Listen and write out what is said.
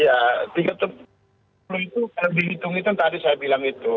ya tiga tujuh puluh lima itu kalau dihitung itu tadi saya bilang itu